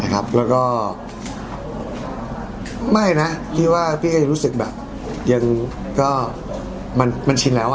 แล้วก็ไม่นะพี่ว่าพี่ก็จะรู้สึกแบบยังก็มันชินแล้ว